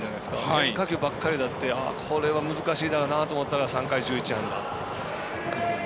変化球ばっかりだったらこれは難しいだろうなと思ったら３回１１安打。